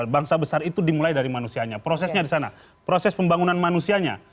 bangsa besar itu dimulai dari manusianya prosesnya di sana proses pembangunan manusianya